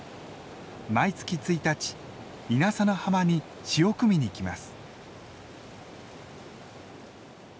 毎月１日稲佐の浜に潮汲みに来ます。